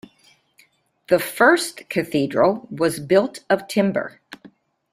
The first cathedral was built of timber.